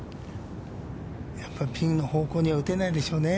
やっぱりピンの方向には打てないでしょうね。